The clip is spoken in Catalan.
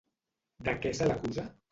De què se l'acusa?